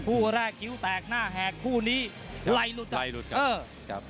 ผู้แรกคิ้วแตกหน้าแหกคู่นี้ไหลหลุดครับ